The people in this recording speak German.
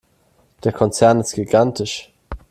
Der Konzern ist gigantisch.